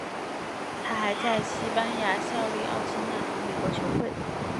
他还在西班牙效力奥沙辛拿和美国球会。